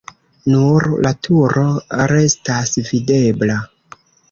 Nur la turo restas videbla.